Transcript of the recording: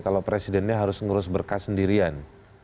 kalau presidennya harus ngurus berkas sendirian